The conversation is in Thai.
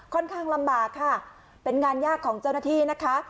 ลำบากค่ะเป็นงานยากของเจ้าหน้าที่นะคะ